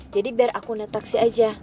jadi biar aku naik taksi aja